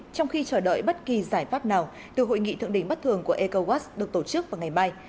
trong khi chờ đợi bất kỳ giải pháp nào từ hội nghị thượng đỉnh bất thường của ecowas được tổ chức vào ngày mai